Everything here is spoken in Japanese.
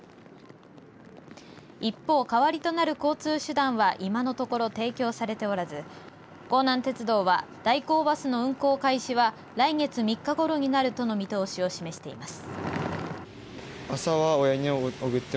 一方、代わりとなる交通手段は今のところ提供されておらず弘南鉄道は代行バスの運行開始は来月３日ごろになるとの見通しを示しています。